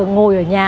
ngồi ở nhà